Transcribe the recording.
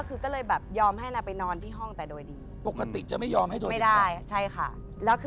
คมคมคมคมคมค